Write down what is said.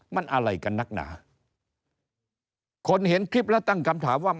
มันอะไรกันนักหนาคนเห็นคลิปแล้วตั้งคำถามว่า